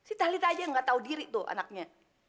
ini tali aja yang gak tau diri tuh anaknya